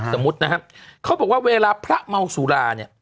สมมุตินะครับเขาบอกว่าเวลาพระเมาสุราเนี่ย